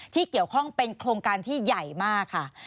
ที่เกี่ยวข้องเป็นโครงการที่ใหญ่มากค่ะ